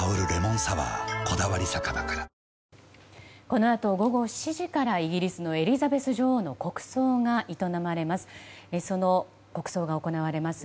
このあと午後７時からイギリスのエリザベス女王の国葬が営まれます。